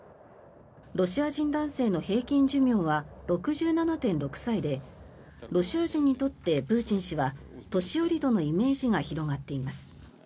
ロシア人男性の平均寿命は６７．６歳でロシア人にとってプーチン氏は年寄りとのイメージが広がっています。